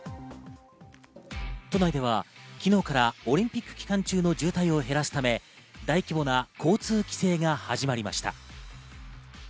都内では昨日からオリンピック期間中の渋滞を減らすため、大規模な交通規制が始まりました。